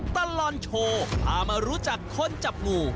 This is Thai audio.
ตำรวจโชว์ปามารู้จักคนจับงู